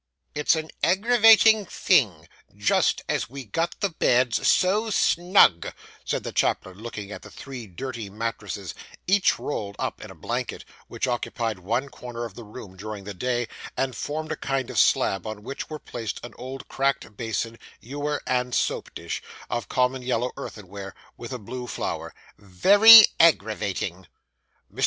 'It's an aggravating thing, just as we got the beds so snug,' said the chaplain, looking at three dirty mattresses, each rolled up in a blanket; which occupied one corner of the room during the day, and formed a kind of slab, on which were placed an old cracked basin, ewer, and soap dish, of common yellow earthenware, with a blue flower 'very aggravating.' Mr.